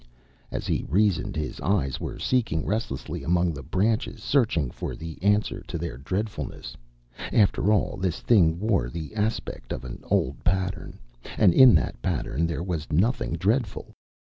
As he reasoned, his eyes were seeking restlessly among the branches, searching for the answer to their dreadfulness. After all, this thing wore the aspect of an old pattern, and in that pattern there was nothing dreadful.